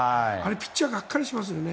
ピッチャーがっかりしますよね。